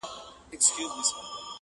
• تاريخ يې ساتي په حافظه کي..